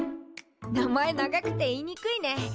名前長くて言いにくいね。